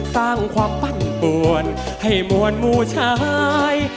สร้างความปั่นป่วนให้มวลมูชาย